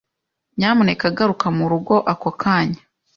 Nyamuneka garuka murugo ako kanya.